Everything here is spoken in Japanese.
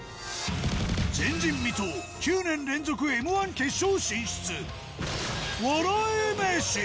前人未到、９年連続Ｍー１決勝進出、笑い飯。